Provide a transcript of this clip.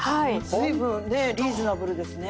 随分ねリーズナブルですね。